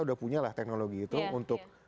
udah punya lah teknologi itu untuk